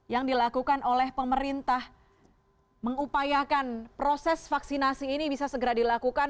yang dilakukan oleh pemerintah mengupayakan proses vaksinasi ini bisa segera dilakukan